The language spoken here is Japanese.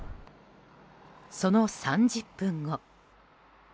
その３０分後。